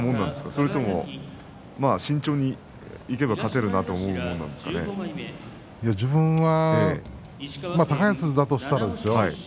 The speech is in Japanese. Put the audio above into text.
それとも慎重にいけば勝てるなと自分は高安だとしたらですよ